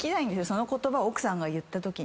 その言葉を奥さんが言ったときに。